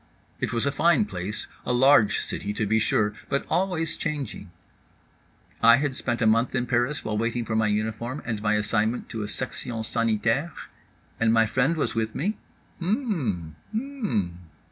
It was a fine place, a large city to be sure. But always changing. I had spent a month in Paris while waiting for my uniform and my assignment to a section sanitaire? And my friend was with me? H mmm mm.